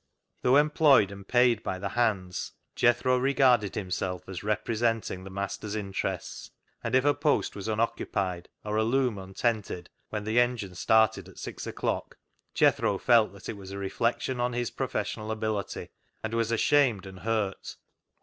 Though employed and paid by the " hands," Jethro regarded himself as representing the masters' interests, and if a post was unoccupied or a loom " untented " when the engine started at six o'clock, Jethro felt that it was a reflection on his professional ability, and was ashamed and hurt.